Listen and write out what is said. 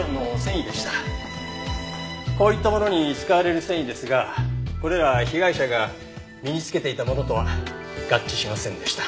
こういったものに使われる繊維ですがこれら被害者が身につけていたものとは合致しませんでした。